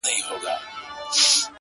• چي قلا د یوه ورور یې آبادیږي,